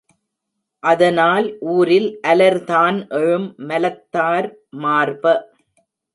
அதனால் ஊரில் அலர்தான் எழும் மலர்த்தார் மார்ப!